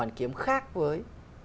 hoàn kiếm khác với